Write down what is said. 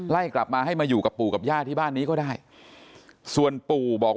กลับมาให้มาอยู่กับปู่กับย่าที่บ้านนี้ก็ได้ส่วนปู่บอก